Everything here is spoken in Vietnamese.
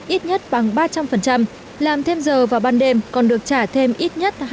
ít nhất bằng ba trăm linh làm thêm giờ vào ban đêm còn được trả thêm ít nhất